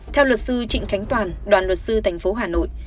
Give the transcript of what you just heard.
theo luật sư trịnh khánh toàn đoàn luật sư tp hà nội